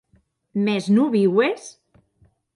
Mès non viues?